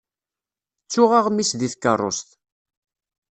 Ttuɣ aɣmis deg tkeṛṛust.